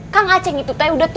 kang aceh gitu teh udah tua